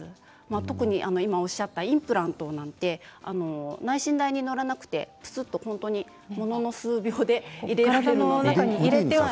特に今おっしゃったインプラントなんて内診台に乗らなくてぷすっと本当に、ものの数秒で入れることができるんです。